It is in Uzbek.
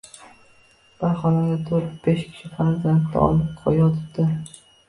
Bir xonada to`rt-besh kishi farzandini olib yotibdi